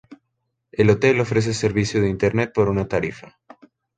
El hotel ofrece servicio de Internet por una tarifa.